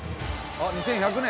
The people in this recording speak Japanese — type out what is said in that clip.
あっ２１００年。